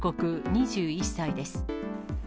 ２１歳です。